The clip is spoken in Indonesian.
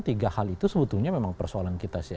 tiga hal itu sebetulnya memang persoalan kita sih